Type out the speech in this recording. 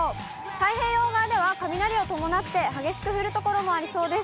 太平洋側では、雷を伴って激しく降る所もありそうです。